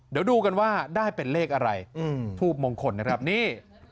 เดี๋ยวดูกันว่าได้เป็นเลขอะไรทูบมงคลนะครับนี่